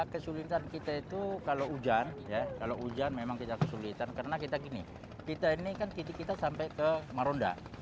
kesulitan kita itu kalau hujan ya kalau hujan memang kita kesulitan karena kita gini kita ini kan titik kita sampai ke marunda